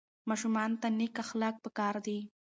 ماشومانو ته نیک اخلاق په کار دي.